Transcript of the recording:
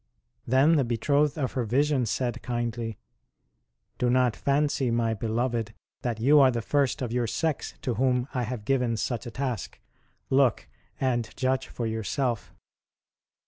Then the Betrothed of her vision said kindly :" Do not fancy, My beloved, that you are the first of your sex to whom I have given such a task : look ! and judge for yourself."